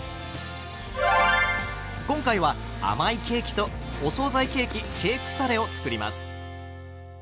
今回は甘いケーキとお総菜ケーキケークサレを作ります。